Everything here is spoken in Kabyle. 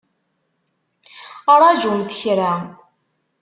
Ṛajumt kra!